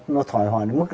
nó thoải hóa đến mức